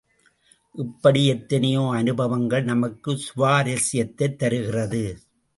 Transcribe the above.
இப்படி எத்தனையோ அனுபவங்கள் நமக்கு சுவாரசியத்தைத் தருகிறது.